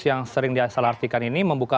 yang sering disalahartikan ini membuka